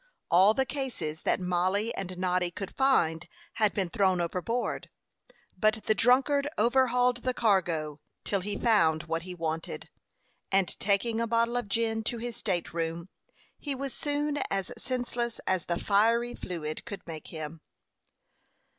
All the cases that Mollie and Noddy could find had been thrown overboard; but the drunkard overhauled the cargo till he found what he wanted, and taking a bottle of gin to his state room, he was soon as senseless as the fiery fluid could make him.